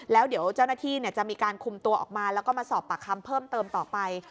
แล้วเดี๋ยวเจ้าหน้าที่จะมีการคุมตัวออกมาแล้วก็มาสอบปากคำเพิ่มเติมต่อไป